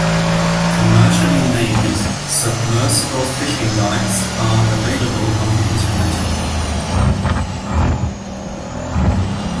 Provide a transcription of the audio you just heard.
Commercially made, submersible fishing lights are available on the internet.